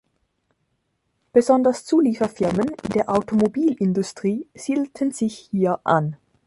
Besonders Zulieferfirmen der Automobilindustrie siedelten sich hier an.